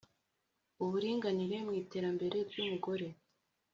Uburinganire mwiterambere ryumugore